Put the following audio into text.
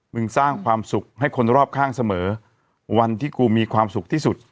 สร้างความสุขให้คนรอบข้างเสมอวันที่กูมีความสุขที่สุด